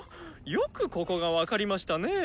よくここが分かりましたね。